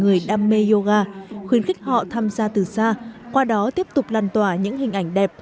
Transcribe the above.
người đam mê yoga khuyến khích họ tham gia từ xa qua đó tiếp tục lan tỏa những hình ảnh đẹp